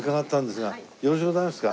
よろしゅうございますか？